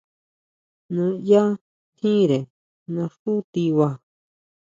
Naʼyá tjínre naxú tiba.